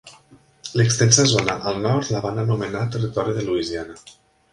L'extensa zona al nord la van anomenar "territori de Louisiana".